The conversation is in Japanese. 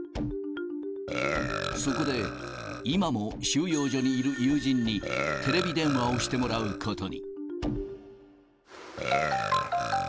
そこで、今も収容所にいる友人に、テレビ電話をしてもらうことに。